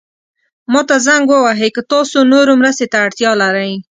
ما ته زنګ ووهئ که تاسو نورو مرستې ته اړتیا لرئ.